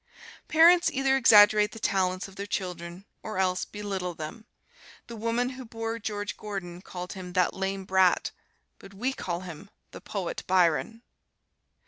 Parents either exaggerate the talents of their children or else belittle them. The woman who bore George Gordon called him "that lame brat"; but we call him "The Poet Byron."